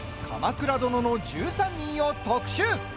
「鎌倉殿の１３人」を特集。